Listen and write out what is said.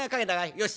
よし。